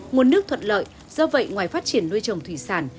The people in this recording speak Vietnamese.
nguồn nước thuận lợi do vậy ngoài phát triển nuôi trồng thủy sản